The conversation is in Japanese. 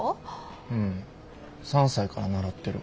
うん３歳から習ってる。